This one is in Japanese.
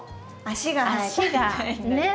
足がねっ。